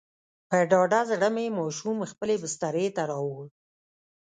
په ډاډه زړه مې ماشوم خپلې بسترې ته راووړ.